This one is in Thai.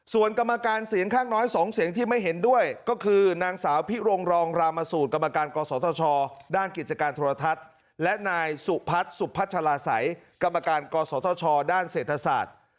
ส่วนกรรมการเสียงข้างน้อย๒เสียงที่ไม่เห็นด้วยก็คือนางสาวพิรงรองรามสูตรกรรมการกศธชด้านกิจการโทรทัศน์และนายสุพัฒน์สุพัชลาศัยกรรมการกศธชด้านเศรษฐศาสตร์